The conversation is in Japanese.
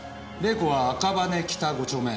玲子は赤羽北５丁目。